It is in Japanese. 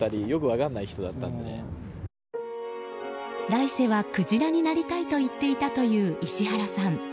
来世はクジラになりたいと言っていたという石原さん。